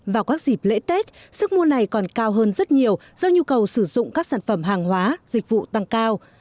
vào các dịp lễ tết sức mua này còn cao hơn rất nhiều do nhu cầu sử dụng các sản phẩm hàng hóa dịch vụ tăng cao